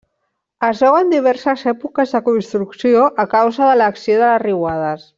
Es veuen diverses èpoques de construcció a causa de l'acció de les riuades.